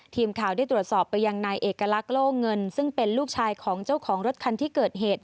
ทีมข่าวได้ตรวจสอบไปยังนายเอกลักษณ์โล่เงินซึ่งเป็นลูกชายของเจ้าของรถคันที่เกิดเหตุ